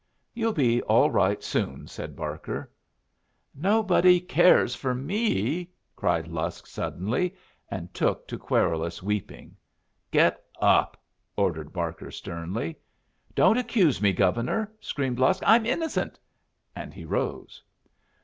"You'll be all right soon," said Barker. "Nobody cares for me!" cried Lusk, suddenly, and took to querulous weeping. "Get up," ordered Barker, sternly. "Don't accuse me, Governor," screamed Lusk. "I'm innocent." And he rose.